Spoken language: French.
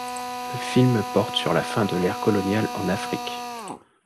Le film porte sur la fin de l'ère coloniale en Afrique.